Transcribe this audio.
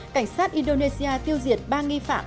cảnh sát indonesia tiêu diệt ba nghi phạm